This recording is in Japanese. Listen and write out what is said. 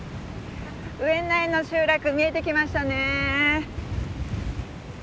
宇遠内の集落見えてきましたね。